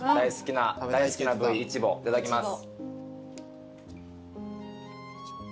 大好きな部位イチボいただきます。